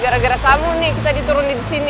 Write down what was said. gara gara kamu nih kita diturun disini